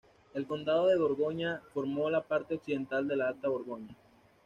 El condado de Borgoña formó la parte occidental de la Alta Borgoña.